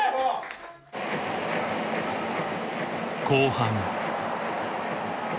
後半。